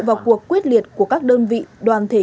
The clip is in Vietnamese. vào cuộc quyết liệt của các đơn vị đoàn thể